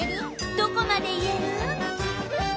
どこまで言える？